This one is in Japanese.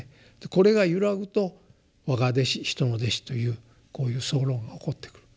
これが揺らぐと「わが弟子人の弟子」というこういう争論が起こってくる。